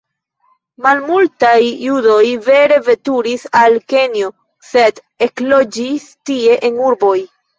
Malmultaj judoj vere veturis al Kenjo, sed ekloĝis tie en urboj.